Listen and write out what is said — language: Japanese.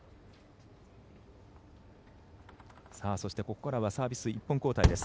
そして、ここからはサービス１本交代です。